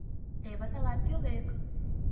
— Теве тылат пӧлек.